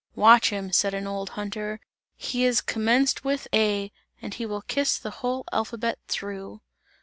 "Watch him," said an old hunter, "he has commenced with A, and he will kiss the whole alphabet through!"